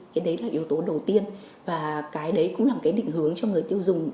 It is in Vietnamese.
cái đấy là yếu tố đầu tiên và cái đấy cũng là định hướng cho người tiêu dùng